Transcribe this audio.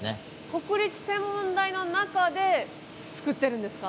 国立天文台の中で作ってるんですか？